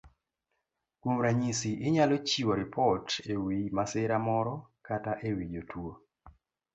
Kuom ranyisi, inyalo chiwo ripot e wi masira moro kata e wi jotuo.